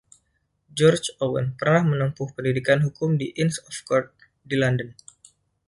George Owen pernah menempuh pendidikan hukum di Inns of Court di london.